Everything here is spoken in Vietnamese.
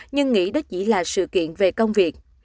nhưng nghĩ đó chỉ là sự kiện về công việc